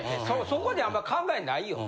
そこにはあんま考えないよ。